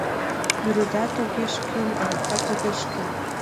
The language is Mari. Пӱрыдат огеш кӱл, аракат огеш кӱл, -